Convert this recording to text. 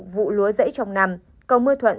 vụ lúa rẫy trong năm cầu mưa thuận